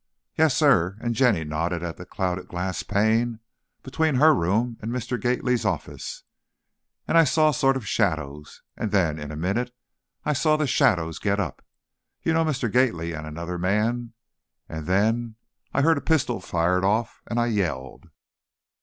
"Yes, sir," and Jenny nodded at the clouded glass pane between her room and Mr. Gately's office. "And I saw sort of shadows, and then in a minute I saw the shadows get up you know, Mr. Gately and another man, and then, I heard a pistol fired off, and I yelled!"